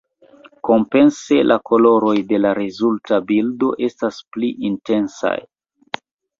Kompense la koloroj de la rezulta bildo estas pli intensaj.